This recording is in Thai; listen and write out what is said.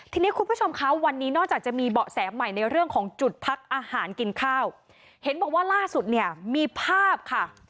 ทีนี้คุณผู้ชมคะวันนี้นอกจากจะมีเบาะแสใหม่ในเรื่องของจุดพักอาหารกินข้าวเห็นบอกว่าล่าสุดเนี่ยมีภาพค่ะ